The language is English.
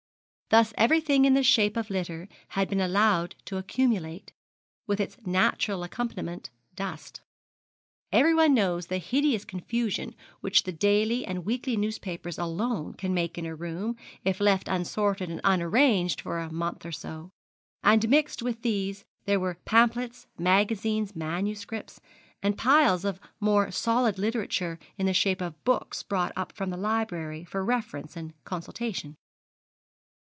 Thus everything in the shape of litter had been allowed to accumulate, with its natural accompaniment, dust. Everyone knows the hideous confusion which the daily and weekly newspapers alone can make in a room if left unsorted and unarranged for a month or so; and mixed with these there were pamphlets, magazines, manuscripts, and piles of more solid literature in the shape of books brought up from the library for reference and consultation.